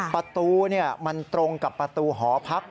ประตูมันตรงกับประตูหอพัก